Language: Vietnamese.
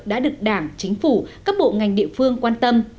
đã được đảng chính phủ các bộ ngành địa phương quan tâm